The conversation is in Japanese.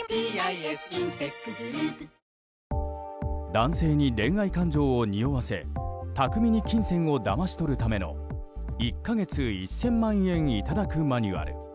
男性に恋愛感情をにおわせ巧みに金銭をだまし取るための１か月１０００万円いただくマニュアル。